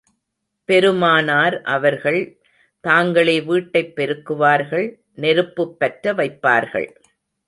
பெருமானார் அவர்கள் தாங்களே வீட்டைப் பெருக்குவார்கள் நெருப்புப் பற்ற வைப்பார்கள்.